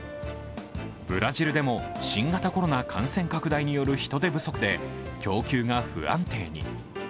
ブラジルでも新型コロナ感染拡大による人手不足で供給が不安定に。